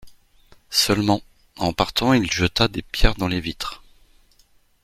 Seulement, en partant, il jeta des pierres dans les vitres.